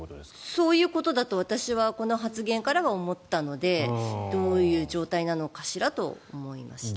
そういうことだと私はこの発言から思ったのでどういう状態なのかしらと思いました。